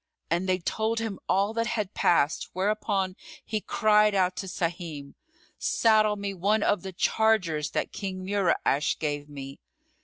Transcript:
And they told him all that had passed, whereupon he cried out to Sahim, "Saddle me one of the chargers that King Mura'ash gave me."